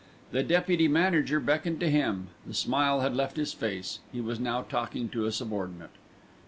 The deputy manager beckoned to him; the smile had left his face, he was now talking to a subordinate.